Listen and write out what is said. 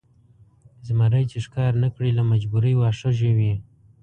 زمری چې ښکار نه کړي له مجبورۍ واښه ژوي.